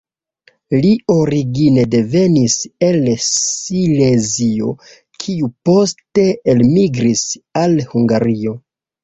Li origine devenis el Silezio kiu poste elmigris al Hungario.